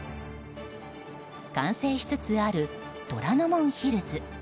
完成しつつある虎ノ門ヒルズ。